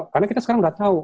karena kita sekarang nggak tahu